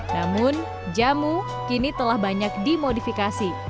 namun jamu kini telah banyak dimodifikasi